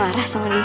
parah sama dia